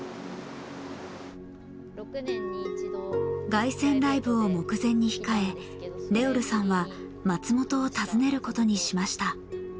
凱旋ライブを目前に控えＲｅｏｌさんは松本を訪ねることにしました。